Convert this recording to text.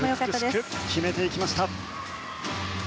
美しく決めていきました。